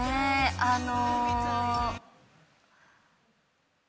あの。